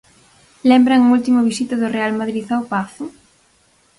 Lembran a última visita do Real Madrid ao Pazo?